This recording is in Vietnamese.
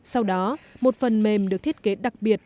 sau đó một phần mềm được thiết kế đặc biệt